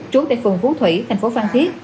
trốn tại phường phú thủy thành phố phan thiết